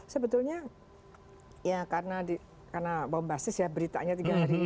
sebetulnya ya karena bombastis ya beritanya tiga hari